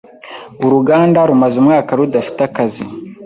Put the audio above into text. Uruganda rumaze umwaka rudafite akazi.